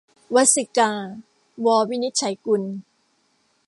วัสสิกา - ว วินิจฉัยกุล